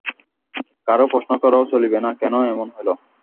কারো প্রশ্ন করাও চলিবে না কেন এমন হইল।